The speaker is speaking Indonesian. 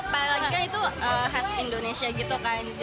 paling lagi kan itu khas indonesia gitu kan